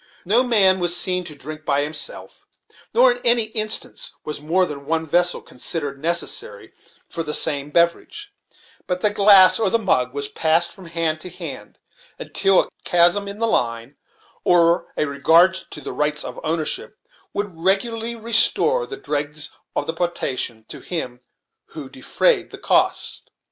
No man was seen to drink by himself, nor in any instance was more than one vessel considered necessary for the same beverage; but the glass or the mug was passed from hand to hand until a chasm in the line or a regard to the rights of ownership would regularly restore the dregs of the potation to him who de frayed the cost.